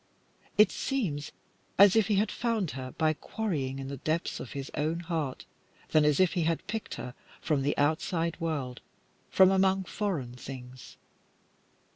It rather seems as if he had found her by quarrying in the depths of his own heart than as if he had picked her from the outside world, from among foreign things.